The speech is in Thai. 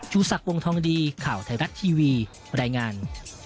สักวงทองดีข่าวไทยรัฐทีวีรายงาน